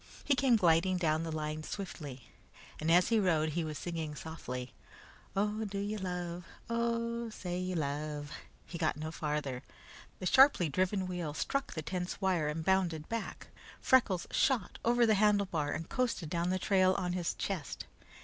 He came gliding down the line swiftly, and as he rode he was singing softly: "Oh, do you love, Oh, say you love " He got no farther. The sharply driven wheel struck the tense wire and bounded back. Freckles shot over the handlebar and coasted down the trail on his chest.